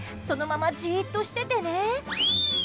そのまま、じっとしててね。